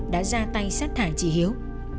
đã ra tay sát thải chị hiếu